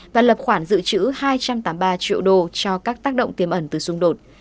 và lập khoản dự trữ hai trăm tám mươi ba triệu đô cho các tác động tiềm ẩn từ xung đột